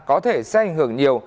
có thể sẽ ảnh hưởng nhiều